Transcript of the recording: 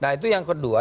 nah itu yang kedua